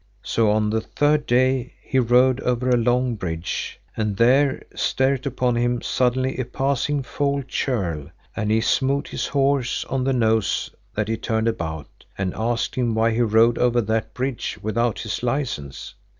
So on the third day he rode over a long bridge, and there stert upon him suddenly a passing foul churl, and he smote his horse on the nose that he turned about, and asked him why he rode over that bridge without his licence.